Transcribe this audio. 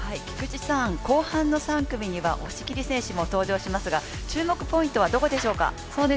菊池さん、後半の３組には押切選手も登場しますが注目ポイントはどこでしょうか？